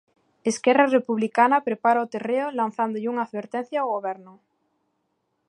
Esquerra Republicana prepara o terreo lanzándolle unha advertencia ao Goberno...